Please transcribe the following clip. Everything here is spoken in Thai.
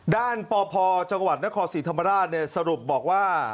ปพจังหวัดนครศรีธรรมราชสรุปบอกว่า